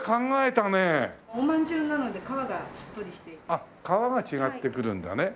あっ皮が違ってくるんだね。